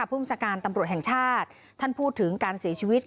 ภูมิกัดดังกลับภูมิศาการตำรวจแห่งชาติ